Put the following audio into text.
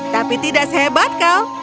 tapi tidak sehebat kau